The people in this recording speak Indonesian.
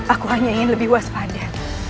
aku hanya ingin lebih waspada